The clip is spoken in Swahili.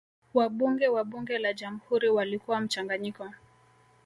wabunge wa bunge la jamhuri walikuwa mchanganyiko